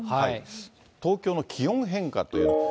東京の気温変化という。